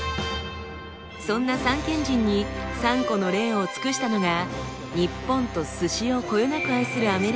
そんな三賢人に三顧の礼を尽くしたのが日本と鮨をこよなく愛するアメリカ人